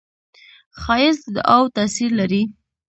ښایست د دعاوو تاثیر لري